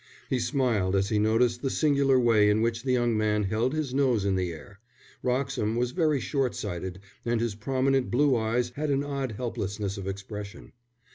He smiled as he noticed the singular way in which the young man held his nose in the air. Wroxham was very short sighted, and his prominent blue eyes had an odd helplessness of expression.